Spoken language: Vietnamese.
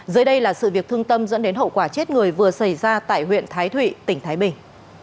dưới đây là sự việc thương tâm dẫn đến hậu quả chết người vừa xảy ra tại huyện thái thụy tỉnh thái bình